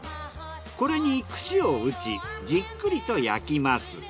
これに串を打ちじっくりと焼きます。